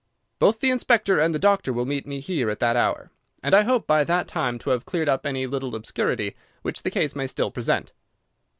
"Both the inspector and the doctor will meet me here at that hour, and I hope by that time to have cleared up any little obscurity which the case may still present."